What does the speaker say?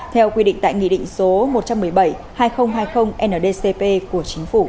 theo quy định tại nghị định số một trăm một mươi bảy hai nghìn hai mươi